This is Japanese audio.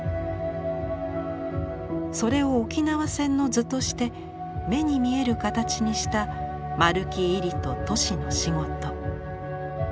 それを「沖縄戦の図」として目に見える形にした丸木位里と俊の仕事。